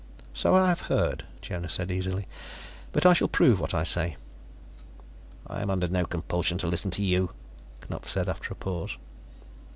"So I have heard," Jonas said easily. "But I shall prove what I say." "I am under no compulsion to listen to you," Knupf said after a pause.